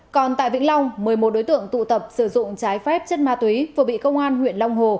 còn tại vĩnh long một mươi một đối tượng tụ tập sử dụng trái phép chất ma túy vừa bị công an huyện long hồ